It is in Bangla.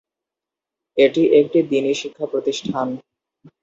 এটি একটি দ্বীনি শিক্ষা প্রতিষ্ঠান।